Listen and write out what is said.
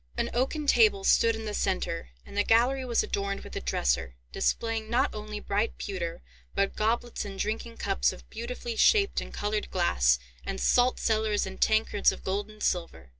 An oaken table stood in the centre, and the gallery was adorned with a dresser, displaying not only bright pewter, but goblets and drinking cups of beautifully shaped and coloured glass, and saltcellars, tankards, &c. of gold and silver.